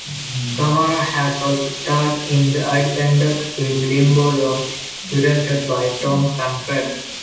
Tamara has also starred in the independent film "Limbo Lounge", directed by Tom Pankratz.